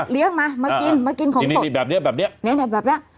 เลี้ยงมามากินมากินของสดแบบเนี่ยแบบเนี่ยแบบเนี่ย